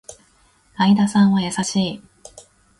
相田さんは優しい